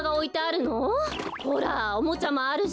ほらおもちゃもあるし。